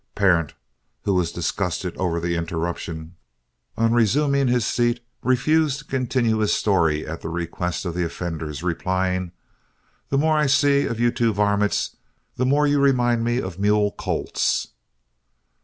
Parent, who was disgusted over the interruption, on resuming his seat refused to continue his story at the request of the offenders, replying, "The more I see of you two varmints the more you remind me of mule colts."